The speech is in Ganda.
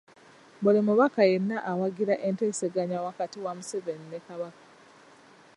Buli mubaka yenna awagira enteeseganya wakati wa Museveni ne Kabaka.